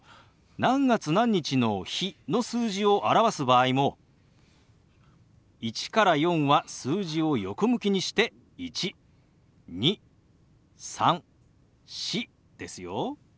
何月何日の「日」の数字を表す場合も１から４は数字を横向きにして「１」「２」「３」「４」ですよ。